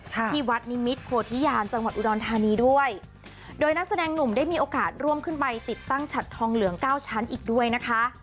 ที่วัดนิมิตโพธิญาณจังหวัดอุดรธานีด้วยโดยนักแสดงหนุ่มได้มีโอกาสร่วมขึ้นไปติดตั้งฉัดทองเหลืองเก้าชั้นอีกด้วยนะคะ